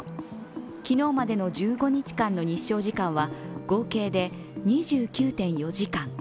昨日までの１５日間の日照時間は合計で２９．４時間。